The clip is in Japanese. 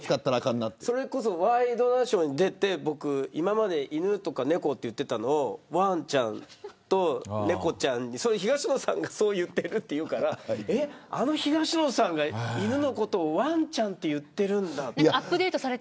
それこそワイドナショーに出て今まで犬とか猫とか言っていたのをわんちゃんと猫ちゃんに東野さんがそうやってるというからあの東野さんが犬のことをわんちゃんと言ってるんだと。